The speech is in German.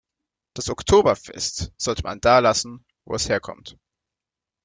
Das Oktoberfest sollte man da lassen, wo es herkommt.